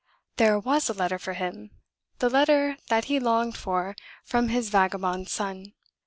There was a letter for him the letter that he longed for from his vagabond son.